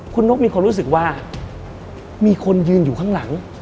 คุณนกมีความรู้สึกว่ามีคนยืนอยู่ข้างหลัง